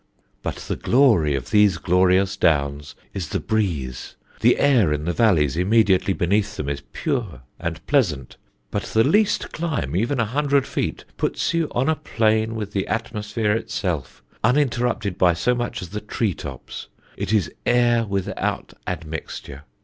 "But the glory of these glorious Downs is the breeze. The air in the valleys immediately beneath them is pure and pleasant; but the least climb, even a hundred feet, puts you on a plane with the atmosphere itself, uninterrupted by so much as the tree tops. It is air without admixture.